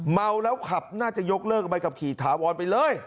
เมาแล้วขับน่าจะยกเลิกใบขับขี่ถาวรไปเลย